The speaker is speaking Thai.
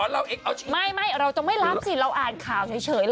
เราจะไม่รับสิเราอ่านข่าวเฉย